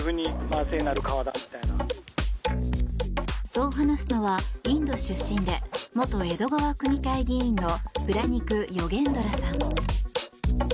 そう話すのはインド出身で元江戸川区議会議員のプラニク・ヨゲンドラさん。